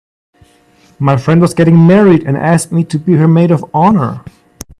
My friend was getting married and asked me to be her maid of honor.